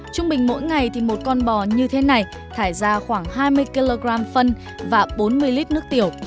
trung bình mỗi ngày thì một con bò như thế này thải ra khoảng hai mươi kg phân và bốn mươi lít nước tiểu